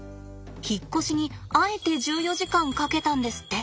引っ越しにあえて１４時間かけたんですって。